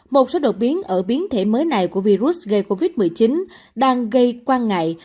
một số đột biến ở biến thể mới này của virus gây covid một mươi chín đang gây quan ngại